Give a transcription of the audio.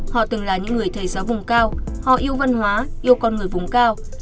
họ từng là những người thầy giáo vùng cao họ yêu văn hóa yêu con người vùng cao